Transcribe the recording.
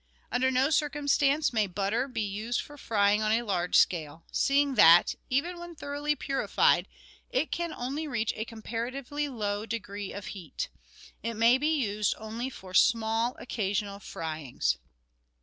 Under no circumstances may butter be used for frying on a large scale, seeing that, even when thoroughly purified, it can only reach a comparatively low degree of heat. It may be used only for small, occasional fryings.